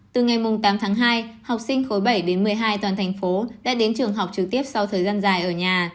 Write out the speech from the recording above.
từ ngày tám tháng hai học sinh khối bảy đến một mươi hai toàn thành phố đã đến trường học trực tiếp sau thời gian dài ở nhà